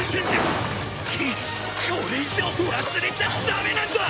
これ以上忘れちゃダメなんだ！